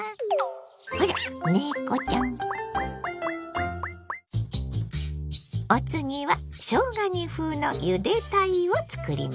あら猫ちゃん！お次はしょうが煮風のゆで鯛を作ります。